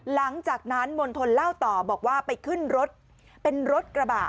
หลังจากนั้นมณฑลเล่าต่อบอกว่าไปขึ้นรถเป็นรถกระบะ